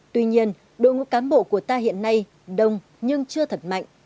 tuy nhiên đội ngũ cán bộ của ta hiện nay đông nhưng chưa thật mạnh